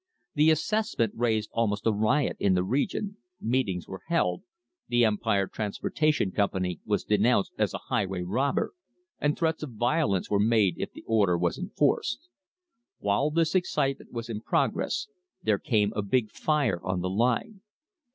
The assessment raised almost a riot in the region,!! meetings were held, the Empire Transportation Company was I denounced as a highway robber, and threats of violence were made if the order was enforced. While this excitement was in | progress there came a big fire on the line.